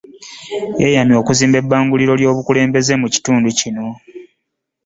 Yeeyamye okuzimba ebbanguliro ly'obukulembeze mu kitundu kino